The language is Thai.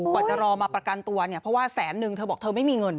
กว่าจะรอมาประกันตัวเนี่ยเพราะว่าแสนนึงเธอบอกเธอไม่มีเงิน